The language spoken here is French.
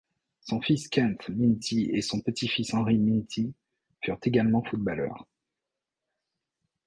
Son fils Kenth Myntti et son petit-fils Henri Myntti furent également footballeurs.